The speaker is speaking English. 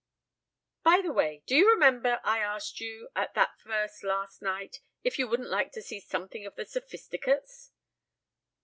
"By the way! Do you remember I asked you at that last first night if you wouldn't like to see something of the Sophisticates?"